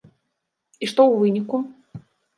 І што ў выніку?